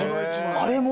あれも？